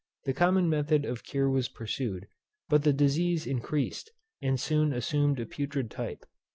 The common method of cure was pursued; but the disease increased, and soon assumed a putrid type.